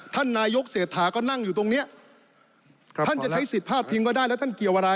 ท่านนายกเศรษฐาก็นั่งอยู่ตรงเนี้ยท่านจะใช้สิทธิพลาดพิงก็ได้แล้วท่านเกี่ยวอะไร